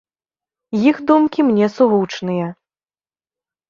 Іх думкі мне сугучныя.